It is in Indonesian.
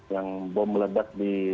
yang bom meledak di